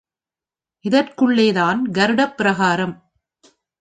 இதற்குள்ளேதான் கருடப் பிரகாரம்.